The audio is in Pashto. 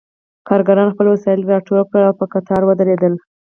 کارګرانو خپل وسایل راټول کړل او په قطار ودرېدل